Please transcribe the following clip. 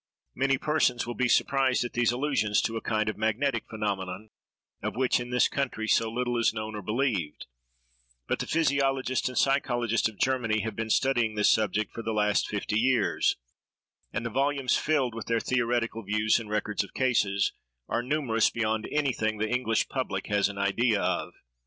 Many persons will be surprised at these allusions to a kind of magnetic phenomena, of which, in this country, so little is known or believed; but the physiologists and psychologists of Germany have been studying this subject for the last fifty years, and the volumes filled with their theoretical views and records of cases, are numerous beyond anything the English public has an idea of.